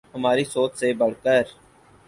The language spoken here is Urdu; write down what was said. ہماری سوچ سے بڑھ کر